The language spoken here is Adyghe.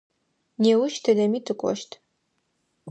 Неущ тыдэми тыкӏощт.